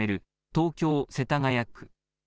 東京世田谷区。